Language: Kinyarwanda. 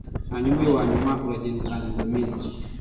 hanyuma uyu wa nyuma uragenda ukangiza imizi